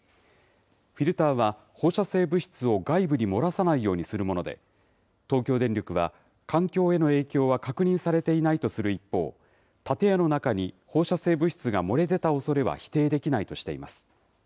フィルターは、放射性物質を外部に漏らさないようにするもので、東京電力は、環境への影響は確認されていないとする一方、建屋の中に放射性物質が漏れ出たおそれは否定できないとしています。